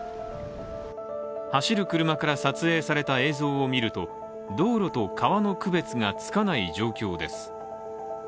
走る車から撮影された映像を見ると道路と川の区別がつかない状況です。